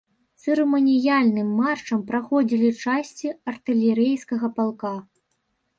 Цырыманіяльным маршам праходзілі часці артылерыйскага палка.